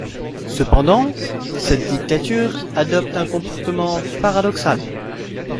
Cependant, cette dictature adopte un comportement paradoxal.